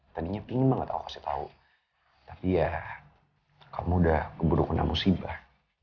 tadinya pingin banget aku kasih tau tapi ya kamu udah keburu kena musibah